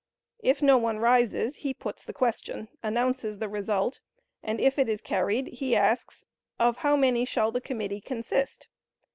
If no one rises, he puts the question, announces the result, and, if it is carried, he asks, "Of how many shall the committee consist?"